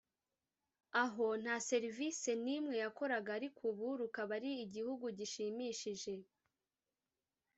aho nta serivise n’imwe yakoraga ariko ubu rukaba ari igihugu gishimishije